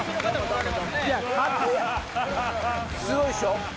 すごいっしょ。